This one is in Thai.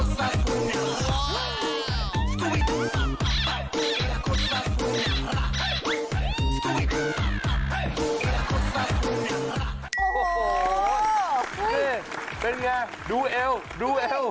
นี่เป็นอย่างไรดูเอว